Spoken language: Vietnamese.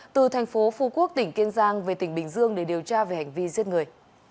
từ tp phu quốc tỉnh kiên giang về tỉnh bình dương để điều tra về hành vi giết người